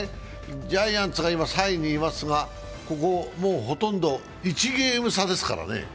ジャイアンツが今、３位にいますが、ここほとんど１ゲーム差ですからね。